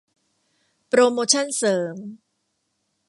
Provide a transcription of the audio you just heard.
โปรโมชันเสริม